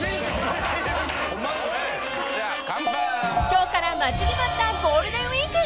［今日から待ちに待ったゴールデンウイーク］